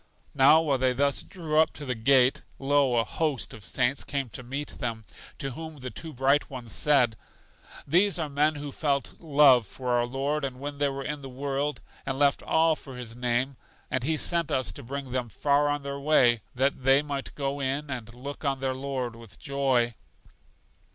Now, while they thus drew up to the gate, lo, a host of saints came to meet them, to whom the two Bright Ones said: These are men who felt love for our Lord when they were in the world, and left all for His name; and He sent us to bring them far on their way, that they might go in and look on their Lord with joy.